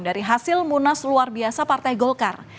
dari hasil munas luar biasa partai golkar